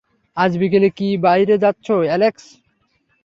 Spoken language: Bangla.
আজ বিকেলে কি বাইরে যাচ্ছ, অ্যালেক্স?